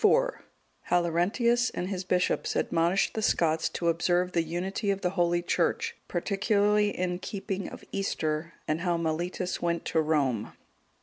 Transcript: How Laurentius and his bishops admonished the Scots to observe the unity of the Holy Church, particularly in keeping of Easter; and how Mellitus went to Rome.